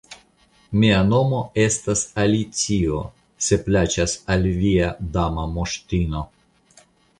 Mia nomo estas Alicio, se plaĉas al via Dama Moŝtino.